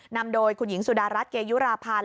นำโดยคุณหญิงสุดารัฐเกยุราพันธ์